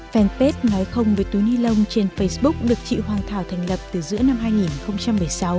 fanpage nói không với túi ni lông trên facebook được chị hoàng thảo thành lập từ giữa năm hai nghìn một mươi sáu